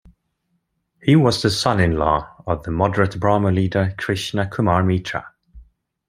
He was the son-in-law of the moderate Brahmo leader, Krishna Kumar Mitra.